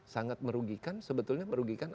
sangat merugikan sebetulnya merugikan